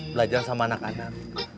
belajar sama anak anak